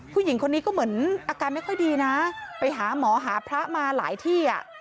ผู้หญิงคนนี้ก็เหมือนอาการไม่ค่อยดีนะไปหาหมอหาพระมาหลายที่อ่ะ